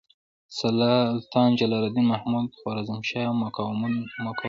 سلطان جلال الدین محمد خوارزمشاه مقاومتونه کول.